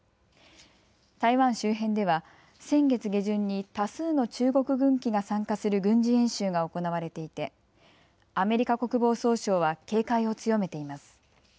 台湾周辺では先月下旬に多数の中国軍機が参加する軍事演習が行われていてアメリカ国防総省は警戒を強めています。